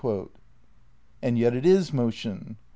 And yet it is motion.